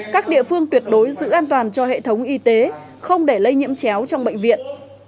các địa phương tuyệt đối giữ an toàn cho hệ thống y tế không để lây nhiễm chéo trong bệnh viện